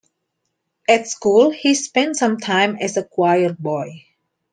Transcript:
At school he spent some time as a choir boy.